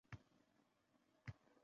Asl shoir hech qachon oʻlmas.